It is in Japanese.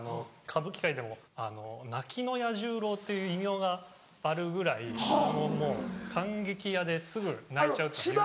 歌舞伎界でも「泣きの彌十郎」っていう異名があるぐらいもう感激屋ですぐ泣いちゃうって有名。